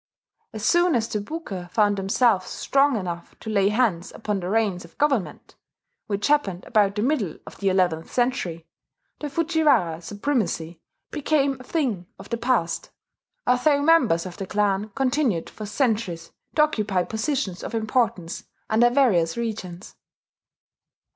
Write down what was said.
As soon as the Buke found themselves strong enough to lay hands upon the reins of government, which happened about the middle of the eleventh century, the Fujiwara supremacy became a thing of the past, although members of the clan continued for centuries to occupy positions of importance under various regents.